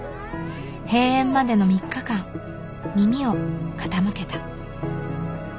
閉園までの３日間耳を傾けた。